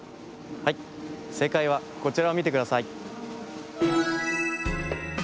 はいせいかいはこちらをみてください。